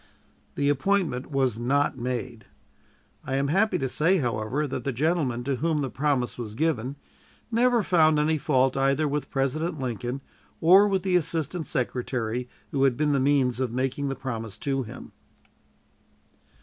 The appointment was not made. I am happy to say, however, that the gentleman to whom the promise was given never found any fault either with President Lincoln or with the Assistant Secretary who had been the means of making the promise to him.